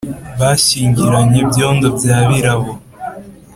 bashyingiranye byondo bya byirabo,